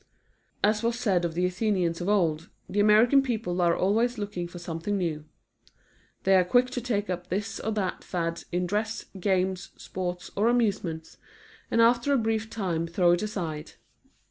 As was said of the Athenians of old, the American people are always looking for something new. They are quick to take up this or that fad in dress, games, sports or amusements, and after a brief time throw it aside.